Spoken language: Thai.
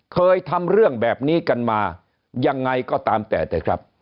เคยทำเรื่องแบบนี้กันมายังไงก็ตามแต่เถอะครับ